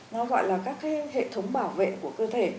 nó gọi là các cái hệ thống bảo vệ của cơ thể